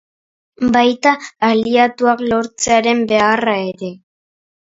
Baita, aliatuak lortzearen beharra ere.